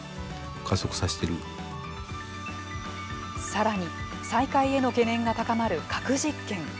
さらに、再開への懸念が高まる核実験。